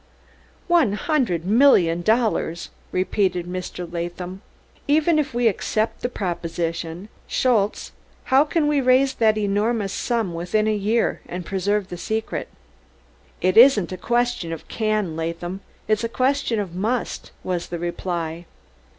"One hundred million dollars!" repeated Mr. Latham. "Even if we accept the proposition, Schultze, how can we raise that enormous sum within a year, and preserve the secret?" "Id ain'd a question of can, Laadham id's a question of musd," was the reply.